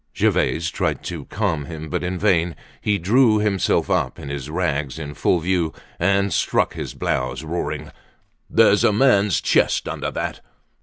Gervaise tried to calm him, but in vain. He drew himself up in his rags, in full view, and struck his blouse, roaring: "There's a man's chest under that!"